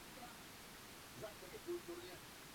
Scott také chytal v playoff.